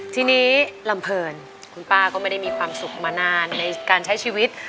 ทีนี้ลำเพลินคุณป้าก็ไม่ได้มีความสุขมานานในการใช้ชีวิต